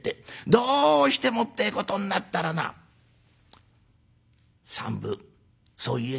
どうしてもってえことになったらな３分そう言え」。